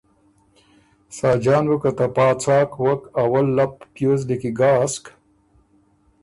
ساجان بُو که ته پا څاک وک اول لپ پیوز لیکی ګاسک